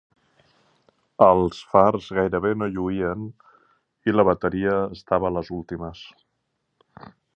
Els fars gairebé no lluïen i la bateria estava a les últimes.